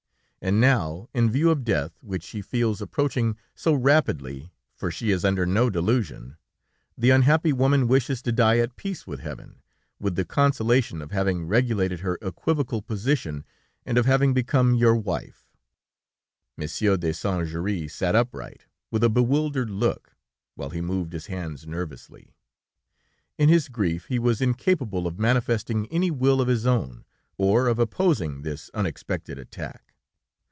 And now, in view of death, which she feels approaching so rapidly, for she is under no delusion, the unhappy woman wishes to die at peace with heaven, with the consolation of having regulated her equivocal position, and of having become your wife." Monsieur de Saint Juéry sat upright, with a bewildered look, while he moved his hands nervously; in his grief he was incapable of manifesting any will of his own, or of opposing this unexpected attack.